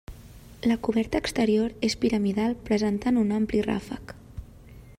La coberta exterior és piramidal presentant un ampli ràfec.